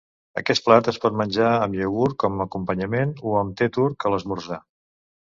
Aquest plat es pot menjar amb iogurt com acompanyament o amb te turc a l'esmorzar.